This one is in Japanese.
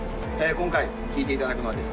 今回聴いていただくのはですね